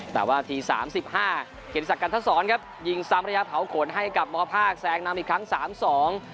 แต่ว่านาที๓๕กินิสักกันทัศนครับยิงซ้ำระยะเผาขนให้กับมหาวิทยาลัยภาคแสงนำอีกครั้ง๓๒